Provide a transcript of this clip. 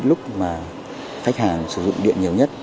đó là lúc mà khách hàng sử dụng điện nhiều nhất